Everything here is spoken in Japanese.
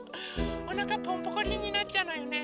おなかポンポコリンになっちゃうのよね。